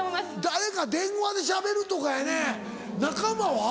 誰か電話でしゃべるとかやね仲間は？